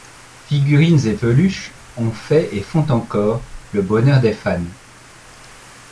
Figurines et peluches ont fait et font encore le bonheur des fans.